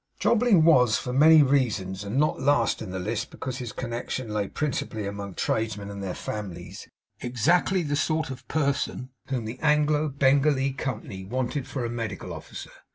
Jobling was for many reasons, and not last in the list because his connection lay principally among tradesmen and their families, exactly the sort of person whom the Anglo Bengalee Company wanted for a medical officer.